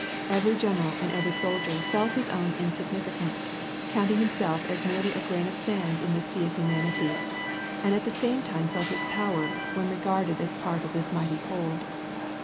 Every general and every soldier felt his own insignificance, counting himself as merely a grain of sand in this sea of humanity, and at the same time felt his power, when regarded as a part of this mighty whole.